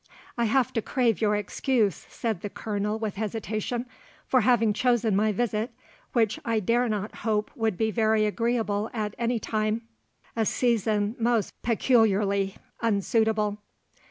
"I have to crave your excuse," said the Colonel with hesitation, "for having chosen for my visit, which I dare not hope would be very agreeable at any time, a season most peculiarly unsuitable."